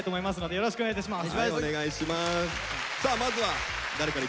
よろしくお願いします。